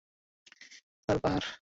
এটা তার পাহাড়।